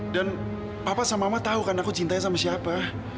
dan papa sama mama tau kan aku cintanya sama siapa